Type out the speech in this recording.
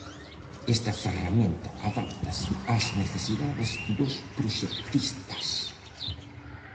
Esta ferramenta adáptase ás necesidades dos proxectistas.